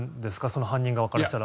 犯人側からしたら。